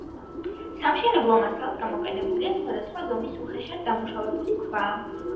სამშენებლო მასალად გამოყენებულია სხვადასხვა ზომის უხეშად დამუშავებული ქვა.